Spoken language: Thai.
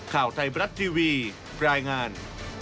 ข่าวไทยบรัฐทีวีรายงาน